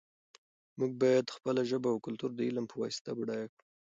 موږ باید خپله ژبه او کلتور د علم په واسطه بډایه کړو.